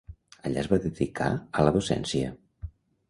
Allà es va dedicar a la docència.